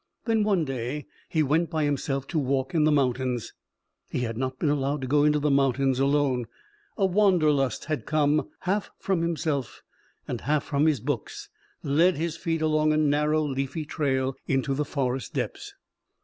Then one day he went by himself to walk in the mountains. He had not been allowed to go into the mountains alone. A Wanderlust that came half from himself and half from his books led his feet along a narrow, leafy trail into the forest depths.